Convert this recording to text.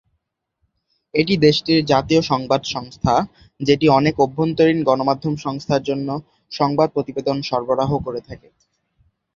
এটি দেশটির জাতীয় সংবাদ সংস্থা, যেটি অনেক অভ্যন্তরীণ গণমাধ্যম সংস্থার জন্য সংবাদ প্রতিবেদন সরবরাহ করে থাকে।